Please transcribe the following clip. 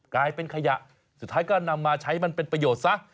กลายเป็นขยะสุดท้ายก็นำมาใช้มันเป็นประโยชน์ซะ